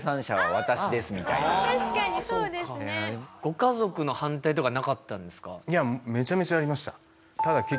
ご家族の反対とかなかったんですか？